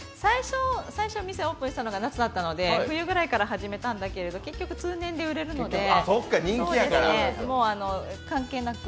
最初店オープンしたのが夏だったので冬ぐらいから始めたんだけど結局、通年で売れるので、もう関係なく。